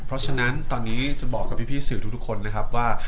เพราะฉะนั้นตอนนี้จะบอกกับพี่สื่อทุกคนเลยครับว่า